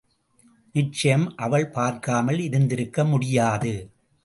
நிச்சயம் அவள் பார்க்காமல் இருந்திருக்க முடியாது.